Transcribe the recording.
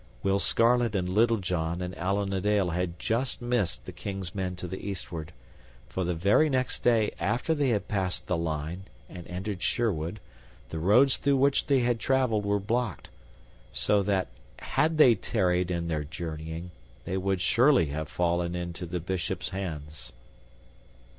Will Scarlet and Little John and Allan a Dale had just missed the King's men to the eastward, for the very next day after they had passed the line and entered Sherwood the roads through which they had traveled were blocked, so that, had they tarried in their journeying, they would surely have fallen into the Bishop's hands.